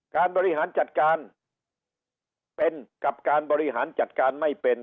บริหารจัดการเป็นกับการบริหารจัดการไม่เป็น